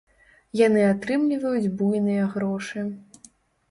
Яны атрымліваюць буйныя грошы.